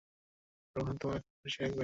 রোহান তোমায় খুব খুশি রাখবে।